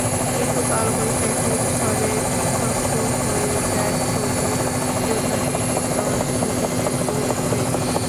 কিন্তু কালবৈশাখীর ঝড়ে বিধ্বস্ত হয়ে যায় ছবির জন্য নির্মিত শুটিংয়ের পুরো সেট।